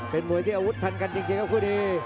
เป็นมวยที่อาวุธทันกันจริงครับคู่นี้